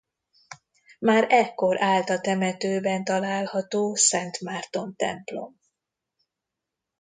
Már ekkor állt a temetőben található Szent Márton templom.